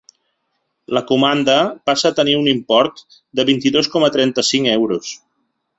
La comanda passa a tenir un import de vint-i-dos coma trenta-cinc euros.